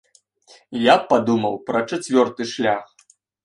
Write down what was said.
Я б падумаў пра чацвёрты шлях.